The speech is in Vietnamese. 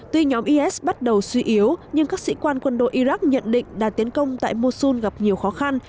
tuy nhóm is bắt đầu suy yếu nhưng các sĩ quan quân đội iraq nhận định đà tiến công tại mosun gặp nhiều khó khăn